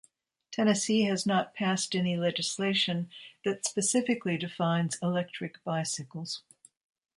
Tennessee has not passed any legislation that specifically defines electric bicycles.